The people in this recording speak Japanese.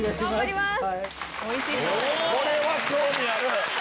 これは興味ある！